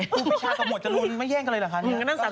แล้วหนึ่งไม่แย่งกันเลยหรอคะ